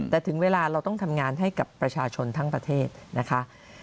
แต่ถึงเวลาเราต้องทำงานให้กับประชาชนทั้งประเทศนะคะ